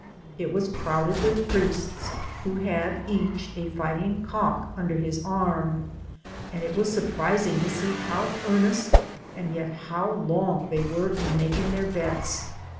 It was crowded with priests, who had each a fighting cock under his arm; and it was surprising to see how earnest and yet how long they w^re in making their bets.